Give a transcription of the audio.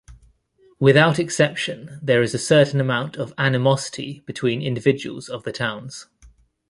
Without exception, there is a certain amount of animosity between individuals of the towns.